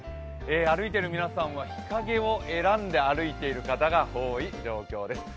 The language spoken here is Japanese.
歩いている皆さんは日かげを選んで歩いている方が多い状況です。